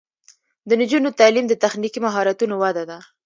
د نجونو تعلیم د تخنیکي مهارتونو وده ده.